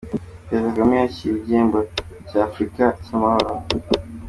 Perezida Kagame yakiriye igihembo cya Africa cy’amahoro